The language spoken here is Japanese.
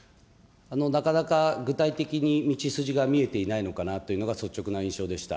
なかなか具体的に道筋が見えていないのかなというのが率直な印象でした。